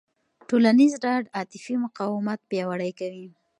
ټولنیزه ډاډ عاطفي مقاومت پیاوړی کوي.